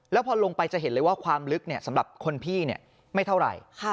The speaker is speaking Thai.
แล้วพอลงไปจะเห็นเลยว่าความลึกสำหรับคนพี่ไม่เท่าไหร่